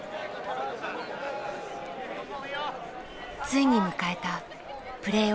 ついに迎えたプレーオフ。